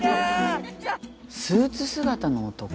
スーツ姿の男？